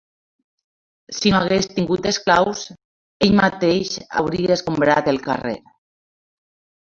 Si no hagués tingut esclaus, ell mateix hauria escombrat el carrer.